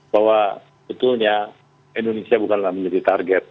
bahwa sebetulnya indonesia bukanlah menjadi target